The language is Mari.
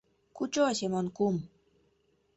Кучо, Семон кум!..